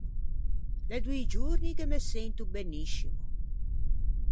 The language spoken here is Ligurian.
L’é doî giorni che me sento beniscimo.